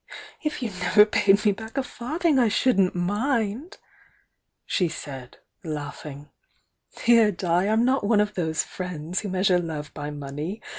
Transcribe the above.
"If you never paid me back a farthing I shouldn't mind! she said, laughing. "Dear Di, I'm not one of those 'friends' who measure love by money!